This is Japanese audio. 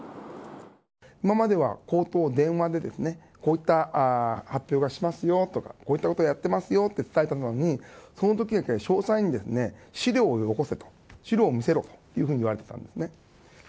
今までは口頭、電話でこういった発表がしますよとか、こういったことをやってますよと伝えてるのに、そのときでは、詳細に資料をよこせと、資料を見せろというふうに言われたんですね。